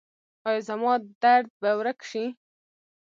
ایا زما درد به ورک شي؟